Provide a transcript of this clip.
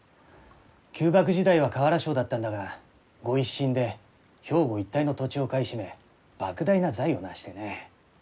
旧幕時代は瓦商だったんだが御一新で兵庫一帯の土地を買い占め莫大な財を成してね。